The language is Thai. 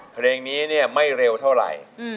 เพลงนี้ไม่เร็วเท่าไร